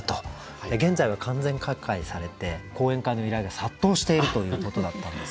現在は完全寛解されて講演会の依頼が殺到しているということだったんですけれど。